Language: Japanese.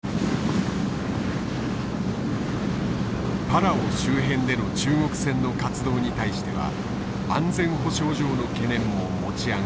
パラオ周辺での中国船の活動に対しては安全保障上の懸念も持ち上がっている。